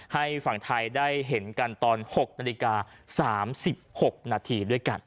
ให้ฝั่งไทยได้เห็นกันตอน๖นาฬิกา๓๖นาทีด้วยกัน